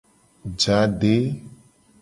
Je ade.